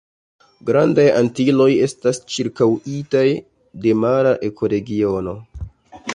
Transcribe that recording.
Grandaj Antiloj estas ĉirkaŭitaj de mara ekoregiono.